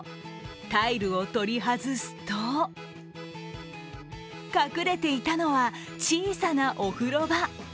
タイルを取り外すと隠れていたのは、小さなお風呂場。